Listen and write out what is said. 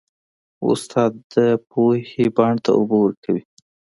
استاد د پوهې بڼ ته اوبه ورکوي.